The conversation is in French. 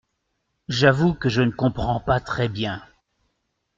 J’avoue que je ne comprends pas très bien.